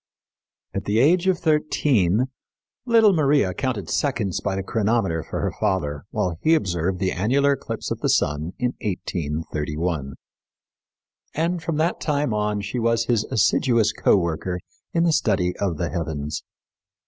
At the age of thirteen little Maria counted seconds by the chronometer for her father while he observed the annular eclipse of the sun in 1831; and from that time on she was his assiduous co worker in the study of the heavens.